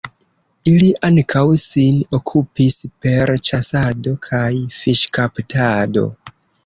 Ili ankaŭ sin okupis per ĉasado kaj fiŝkaptado.